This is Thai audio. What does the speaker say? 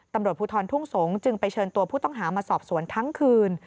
ตำรวจภูทรทุ่งสงศ์จึงไปเชิญตัวผู้ต้องหามาสอบสวนทั้งคืน